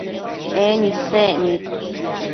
En isec nid